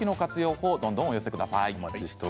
法をどんどんお寄せください。